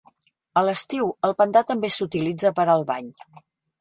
A l'estiu, el pantà també s'utilitza per al bany.